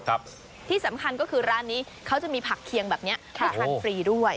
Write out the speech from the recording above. ที่สำคัญก็คือร้านนี้เขาจะมีผักเคียงแบบนี้ให้ทานฟรีด้วย